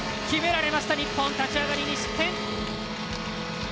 決められました日本、立ち上がりに失点。